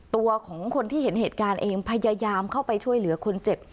ตัวของคนที่เห็นเหตุการณ์เองพยายามเข้าไปช่วยเหลือคนเจ็บ